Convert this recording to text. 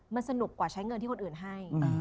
มันสนุกกว่าใช้เงินที่คนอื่นให้